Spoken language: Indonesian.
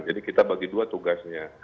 jadi kita bagi dua tugasnya